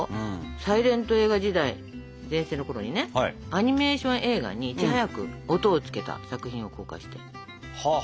サイレント映画時代全盛のころにねアニメーション映画にいち早く音をつけた作品を公開して全米で大ヒットしたという。